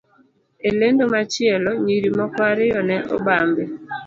E lendo machielo, nyiri moko ariyo ne obambi,